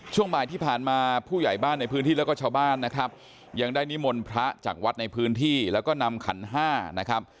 ช่วงบ่ายที่ผ่านมาผู้ใหญ่บ้านในพื้นที่แล้วก็ชาวบ้านนะครับยังได้นิมนต์พระจากวัดในพื้นที่แล้วก็นำขันห้านะครับ